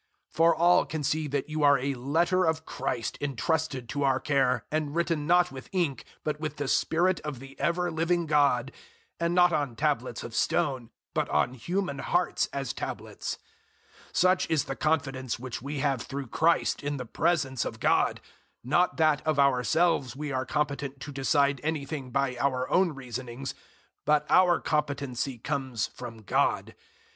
003:003 For all can see that you are a letter of Christ entrusted to our care, and written not with ink, but with the Spirit of the ever living God and not on tablets of stone, but on human hearts as tablets. 003:004 Such is the confidence which we have through Christ in the presence of God; 003:005 not that of ourselves we are competent to decide anything by our own reasonings, but our competency comes from God.